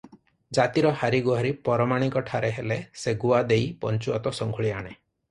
ଜାତିର ହାରିଗୁହାରି ପରମାଣିକ ଠାରେ ହେଲେ ସେ ଗୁଆ ଦେଇ ପଞ୍ଚୁଆତ ସଙ୍କୁଳି ଆଣେ ।